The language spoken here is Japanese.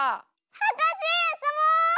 はかせあそぼう！